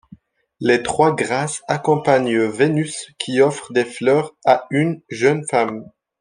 Les Trois Grâces accompagnent Vénus qui offre des fleurs à une jeune femme.